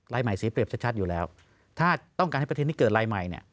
ใหม่เสียเปรียบชัดอยู่แล้วถ้าต้องการให้ประเทศที่เกิดรายใหม่เนี่ย